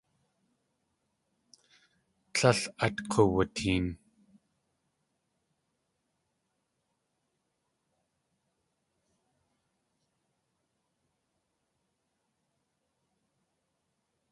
Tlél át k̲uwuteen.